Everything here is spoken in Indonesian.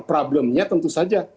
problemnya tentu saja